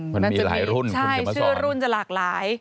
มันมีหลายรุ่นใช่ชื่อรุ่นจะหลากหลาย